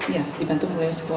iya di bantung pemulihan sekolah